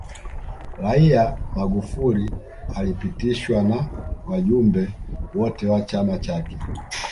raia magufuli alipitishwa na wajumbe wote wa chama chake